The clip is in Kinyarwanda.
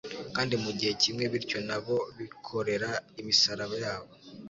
kandi mu gihe kimwe, bityo na bo bikorera imisaraba yabo.